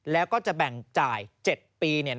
แล้วก็จะแบ่งจ่าย๗ปี